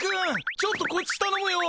ちょっとこっちたのむよ！